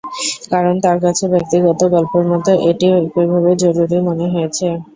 কারণ তাঁর কাছে ব্যক্তিগত গল্পের মতো এটিও একইভাবে জরুরি মনে হয়েছে।